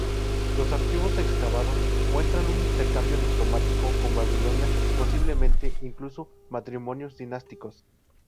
Los archivos excavados muestran un intercambio diplomático con Babilonia, posiblemente, incluso matrimonios dinásticos.